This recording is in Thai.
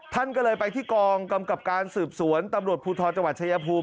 ท่านก็เลยไปที่กองกำกับการสืบสวนตำรวจภูทรจังหวัดชายภูมิ